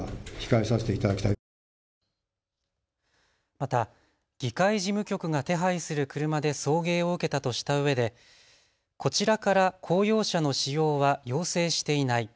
また議会事務局が手配する車で送迎を受けたとしたうえでこちらから公用車の使用は要請していない。